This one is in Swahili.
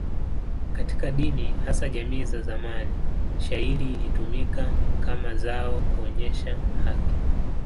Katika dini, hasa jamii za zamani, shayiri ilitumika kama zao kuonyesha haki.